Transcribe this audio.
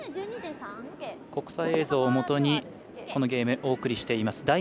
国際映像をもとにこのゲームお送りしています。